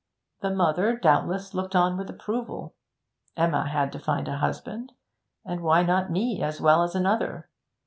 The mother, doubtless, looked on with approval; Emma had to find a husband, and why not me as well as another?